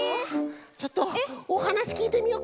ちょっとおはなしきいてみよっかな。